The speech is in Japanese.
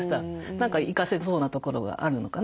何か生かせそうなところがあるのかな。